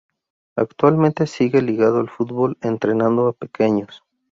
Actualmente sigue ligado al fútbol entrenando a pequeños.